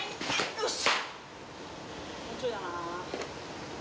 よし！